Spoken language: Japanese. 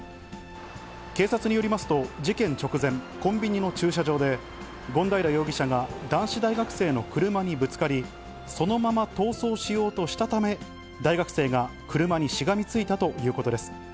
警察によりますと、事件直前、コンビニの駐車場で、権平容疑者が男子大学生の車にぶつかり、そのまま逃走しようとしたため、大学生が車にしがみついたということです。